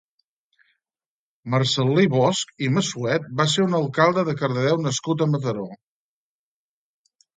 Marcel·lí Bosch i Massuet va ser un alcalde de Cardedeu nascut a Mataró.